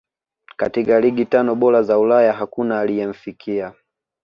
katika ligi tano bora za ulaya hakuna aliyemfikia